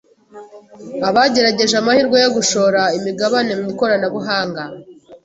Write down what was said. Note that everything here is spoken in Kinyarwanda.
abagerageje amahirwe yo gushora imigabane mu ikoranabuhanga